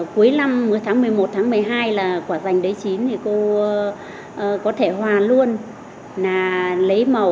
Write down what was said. cuối năm cuối tháng một mươi một tháng một mươi hai là quả dành đấy chín thì cô có thể hòa luôn là lấy màu